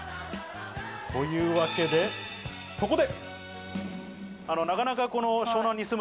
というわけで、そこで。